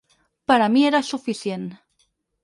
Per a mi era suficient.